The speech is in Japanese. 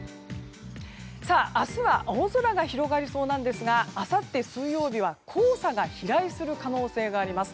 明日は青空が広がりそうですがあさって水曜日は黄砂が飛来する可能性があります。